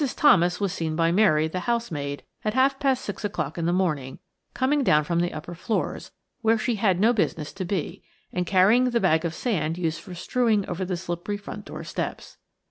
Thomas was seen by Mary, the housemaid, at half past six o'clock in the morning, coming down from the upper floors, where she had no business to be, and carrying the bag of sand used for strewing over the slippery front door steps.